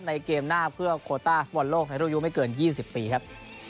ในเกมหน้าเพื่อโควต้าสมวนโลกในรูยูงไม่เกิน๒๐ปีครับ